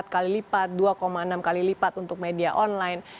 empat kali lipat dua enam kali lipat untuk media online